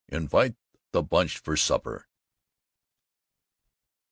Invite the Bunch for Supper."